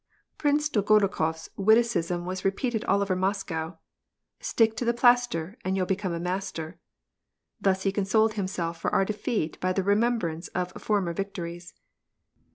* Prince Dolgorukof s witticism was repeated all over Mos cow: "Stick to the plaster, and you'll become a master;" thus he consoled himself for our defeat by the I'emembrance of former victories.